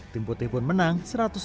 tim putih pun menang satu ratus dua seratus